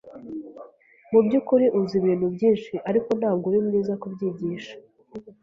Mubyukuri uzi ibintu byinshi, ariko ntabwo uri mwiza kubyigisha.